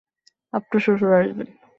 আপনার শ্বশুর আসবেন।